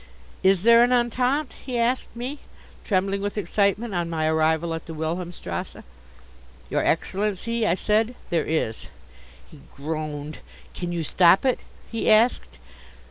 "Is there an Entente?" he asked me, trembling with excitement, on my arrival at the Wilhelmstrasse. "Your Excellency," I said, "there is." He groaned. "Can you stop it?" he asked.